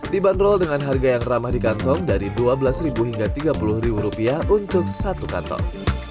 dibanderol dengan harga yang ramah di kantong dari dua belas hingga rp tiga puluh rupiah untuk satu kantong